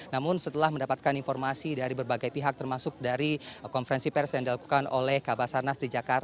namun setelah mendapatkan informasi dari berbagai pihak termasuk dari konferensi pers yang dilakukan oleh kabupaten basarnas di jawa tenggara